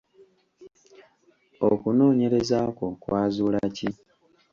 Okunoonyereza kwo kwazula ki?